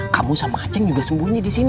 kamu sama ceng juga sembunyi disini